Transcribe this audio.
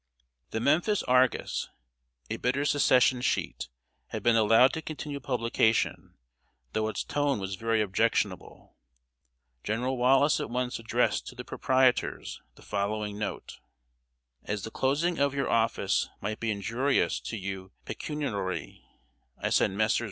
] The Memphis Argus, a bitter Secession sheet, had been allowed to continue publication, though its tone was very objectionable. General Wallace at once addressed to the proprietors the following note: "As the closing of your office might be injurious to you pecuniarily, I send Messrs.